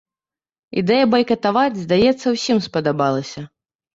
Ідэя байкатаваць, здаецца, усім спадабалася.